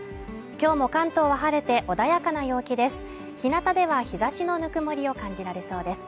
今日も関東は晴れて穏やかな陽気です